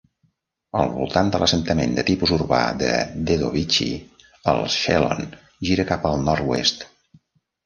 Al voltant de l'assentament de tipus urbà de Dedovichi, el Shelon gira cap al nord-oest.